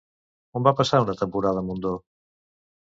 On va passar una temporada Mundó?